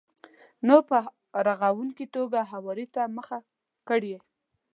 نو په رغونکې توګه هواري ته مخه کړئ.